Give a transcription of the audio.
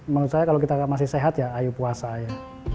menurut saya kalau kita masih sehat ya ayo puasa ya